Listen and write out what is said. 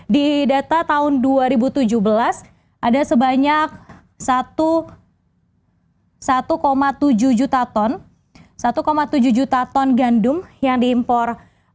di data tahun dua ribu tujuh belas ada sebanyak satu tujuh juta ton gandum yang diimpor